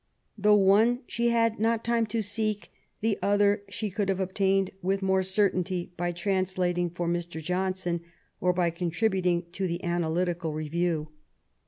The one she had not time to seek ; the other she could have obtained with more certainty by translating for Mr. Johnson, or by contributing to the Analytical Review.